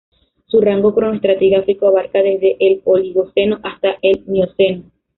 Su rango cronoestratigráfico abarca desde el Oligoceno hasta el Mioceno.